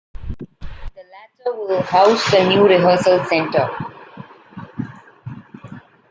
The latter will house the new rehearsal center.